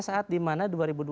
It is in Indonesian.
saat dimana dua ribu dua puluh